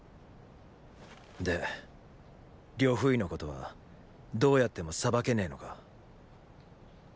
で呂不韋のことはどうやっても裁けねェのか。